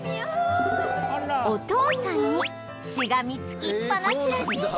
お父さんにしがみつきっぱなしらしいです